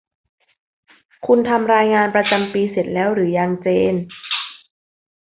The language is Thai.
คุณทำรายงานประจำปีเสร็จแล้วหรือยังเจน